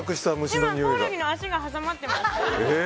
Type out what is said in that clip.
今、コオロギの足が挟まってます。